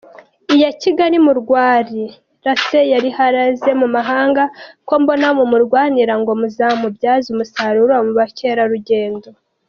iya Kigeli murwani rase yariyaraheze mumahanga kombona mumurwanira ngomuzamubyaze umusaruro muri bamukera rugendo